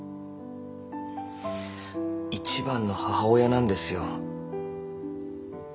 一番の母親なんですよ。